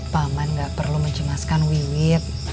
paman gak perlu menjemaskan wili